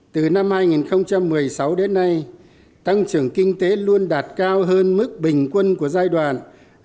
từ năm hai nghìn một mươi sáu đến nay tăng trưởng kinh tế luôn đạt cao hơn mức bình quân của giai đoạn hai nghìn một mươi sáu hai nghìn hai mươi